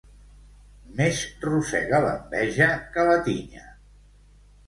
Més rosega l'enveja que la tinya.